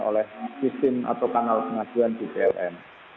oleh sistem atau kanal pengaduan di pln